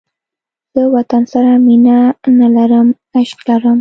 زه وطن سره مینه نه لرم، عشق لرم